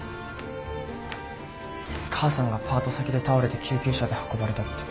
母さんがパート先で倒れて救急車で運ばれたって。